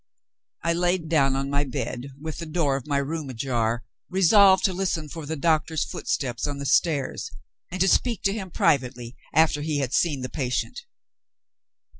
I lay down on my bed, with the door of my room ajar, resolved to listen for the doctor's footsteps on the stairs, and to speak to him privately after he had seen the patient.